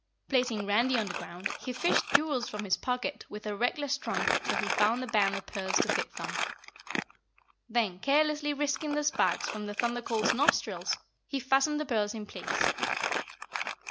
Placing Randy on the ground, he fished jewels from his pocket with a reckless trunk till he found a band of pearls to fit Thun. Then carelessly risking the sparks from the Thunder Colt's nostrils, he fastened the pearls in place.